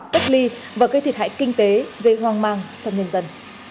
tất ly và gây thiệt hại kinh tế về hoang mang trong nhân dân